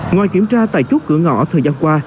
ngoài kiểm tra tại chốt cửa ngõ thời gian qua